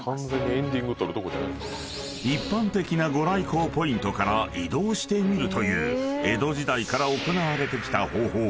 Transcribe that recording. ［一般的な御来光ポイントから移動して見るという江戸時代から行われてきた方法］